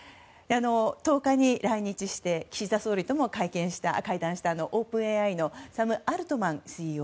１０日に来日して岸田総理とも会談したオープンＡＩのサム・アルトマンＣＥＯ